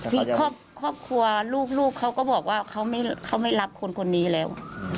มีครอบครัวลูกเขาก็บอกว่าเขาไม่รับคนคนนี้แล้ว